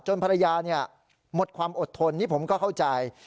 ภรรยาหมดความอดทนนี่ผมก็เข้าใจ